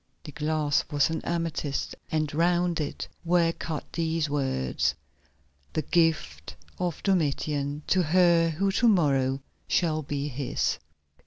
The clasp was an amethyst, and round it were cut these words: "The gift of Domitian to her who to morrow shall be his."